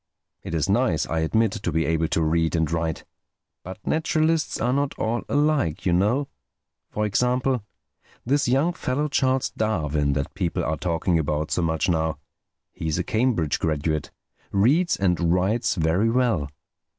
"It is nice, I admit, to be able to read and write. But naturalists are not all alike, you know. For example: this young fellow Charles Darwin that people are talking about so much now—he's a Cambridge graduate—reads and writes very well.